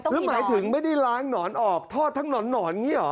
แล้วหมายถึงไม่ได้ล้างหนอนออกทอดทั้งหนอนอย่างนี้หรอ